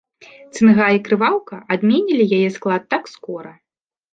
Цынга і крываўка адменелі яе склад так скора!